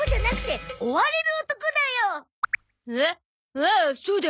あっそうだ。